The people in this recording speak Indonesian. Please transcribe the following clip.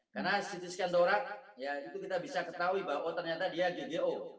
karena ct scan dorak ya itu kita bisa ketahui bahwa ternyata dia ggo